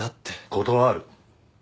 断る。